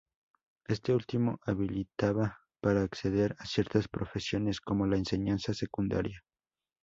Este último habilitaba para acceder a ciertas profesiones, como la enseñanza secundaria.